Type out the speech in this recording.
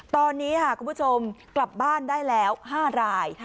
ตอนนี้คุณผู้ชมกลับบ้านได้แล้ว๕ราย